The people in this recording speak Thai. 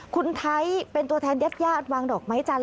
คุณไทยเป็นตัวแทนยัดย่าอดวางดอกไม้จันทร์